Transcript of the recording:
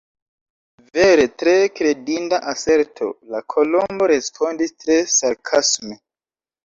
"Vere tre kredinda aserto!" la Kolombo respondis tre sarkasme. "